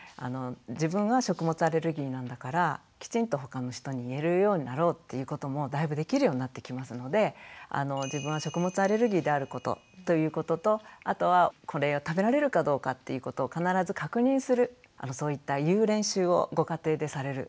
自分は食物アレルギーなんだからきちんとほかの人に言えるようになろうっていうこともだいぶできるようになってきますので自分は食物アレルギーであることということとあとはこれが食べられるかどうかっていうことを必ず確認するそういった「言う練習」をご家庭でされる。